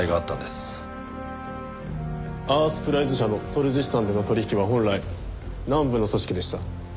アースプライズ社のトルジスタンでの取引は本来南部の組織でした。